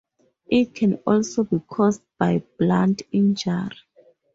It can also be caused by blunt injury.